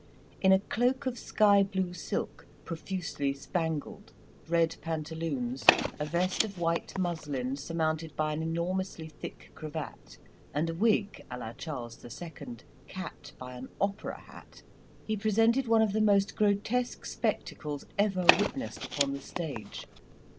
In a cloak of sky blue silk, profusely spangled, red pantaloons, a vest of white muslin, surmounted by an enormously thick cravat, and a wig a la Charles the Second, capped by an opera hat, he presented one of the most grotesque spectacles ever witnessed upon the stage.